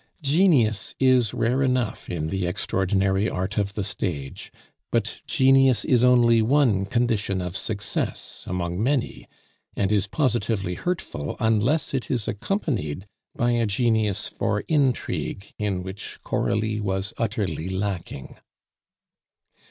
Genius is rare enough in the extraordinary art of the stage; but genius is only one condition of success among many, and is positively hurtful unless it is accompanied by a genius for intrigue in which Coralie was utterly lacking.